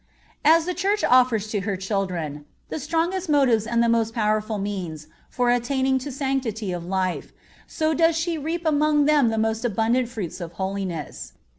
As the Church offers to her children the strongest motives and the most powerful means for attaining to sanctity of life, so does she reap among them the most abundant fruits of holiness.